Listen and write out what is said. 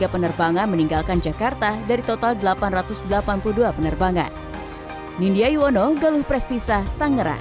penerbangan meninggalkan jakarta dari total delapan ratus delapan puluh dua penerbangan nindya iwono galuh prestisa tangerang